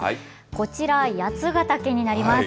こちら、八ヶ岳になります。